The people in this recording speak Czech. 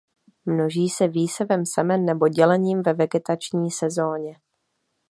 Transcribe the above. Množí se výsevem semen nebo dělením ve vegetační sezóně.